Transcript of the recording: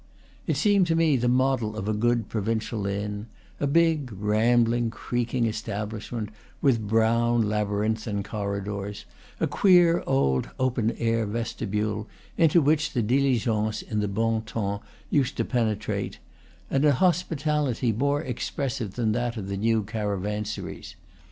It seemed to me the model of a good provincial inn; a big rambling, creaking establishment, with brown, labyrinthine corridors, a queer old open air vestibule, into which the diligence, in the bon temps, used to penetrate, and an hospitality more expressive than that of the new caravansaries.